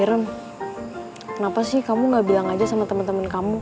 orang yang diomongin aja gak ada yang penting